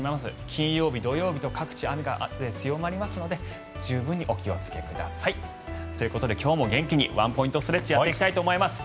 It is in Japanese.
金曜日、土曜日と各地雨が強まりますので十分にお気をつけください。ということで今日も元気にワンポイントストレッチやっていきたいと思います。